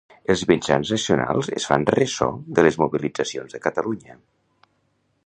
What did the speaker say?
Els mitjans nacionals es fan ressò de les mobilitzacions de Catalunya.